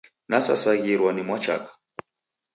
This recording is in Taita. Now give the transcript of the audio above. Nasasaghirwa ni mwachaka.